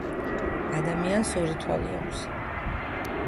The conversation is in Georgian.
ადამიანს ორი თვალი აქვს